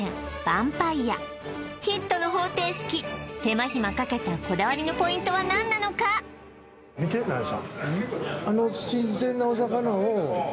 晩杯屋ヒットの方程式手間暇かけたこだわりのポイントは何なのかあっ